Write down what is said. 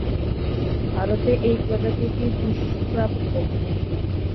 ভারতে এই প্রজাতিটি দুষ্প্রাপ্য।